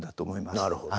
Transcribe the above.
なるほど。